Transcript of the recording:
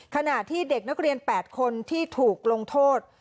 ขณะที่เด็กนักเรียน๘คนที่ถูกลงโทษ